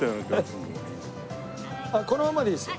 あっこのまんまでいいですよ。